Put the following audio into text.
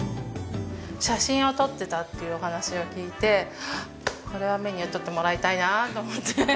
写真を撮っていたっていうお話を聞いてこれはメニュー撮ってもらいたいなと思って。